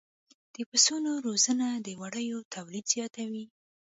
د پسونو روزنه د وړیو تولید زیاتوي.